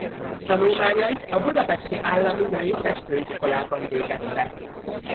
Tanulmányait a budapesti Állami Női Festőiskolában végezte.